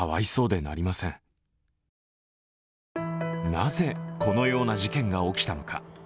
なぜこのような事件が起きたのか。